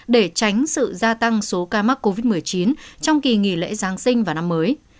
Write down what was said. để tránh sự gia tăng số ca mắc covid một mươi chín trong kỳ nghỉ lễ giáng sinh và năm mới